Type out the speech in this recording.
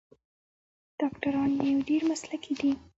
ډاکټران یې ډیر مسلکي دي.